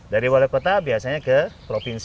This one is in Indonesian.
dari wali kota biasanya ke provinsi